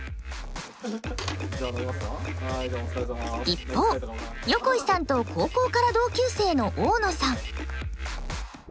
一方横井さんと高校から同級生の大野さん。